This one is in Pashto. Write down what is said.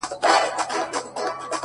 راوړم سکروټې تر دې لویي بنگلي پوري ـ